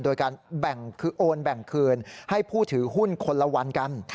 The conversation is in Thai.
โดยการแบ่งคือโอนแบ่งคืนให้ผู้ถือหุ้นคนละวันกัน